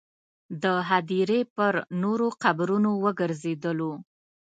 د هدیرې پر نورو قبرونو وګرځېدلو.